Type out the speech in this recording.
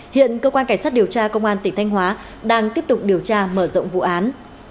hiện cơ quan cảnh sát điều tra công an tỉnh thanh hóa đang tiếp tục điều tra mở rộng vụ án